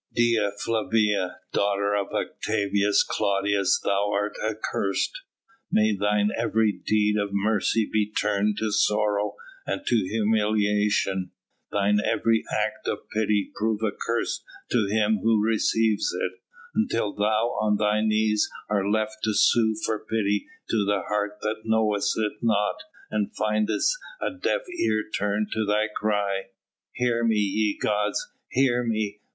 "Dea Flavia, daughter of Octavius Claudius thou art accursed. May thine every deed of mercy be turned to sorrow and to humiliation, thine every act of pity prove a curse to him who receives it, until thou on thy knees, art left to sue for pity to a heart that knoweth it not and findest a deaf ear turned to thy cry. Hear me, ye gods hear me!...